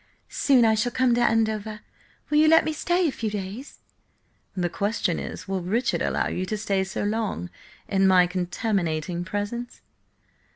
Soon I shall come to Andover. Will you let me stay a few days?" "The question is, will Richard allow you to stay so long in my contaminating presence?"